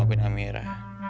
sampai ketemu amira